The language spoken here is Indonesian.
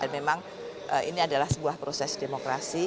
memang ini adalah sebuah proses demokrasi